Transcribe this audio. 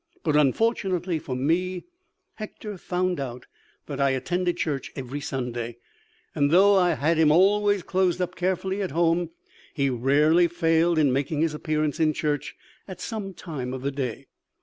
But, unfortunately for me, Hector found out that I attended church every Sunday, and though I had him always closed up carefully at home, he rarely failed in making his appearance in church at some time of the day.